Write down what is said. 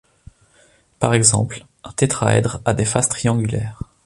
Par exemple, un tétraèdre a des faces triangulaires.